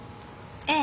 ええ。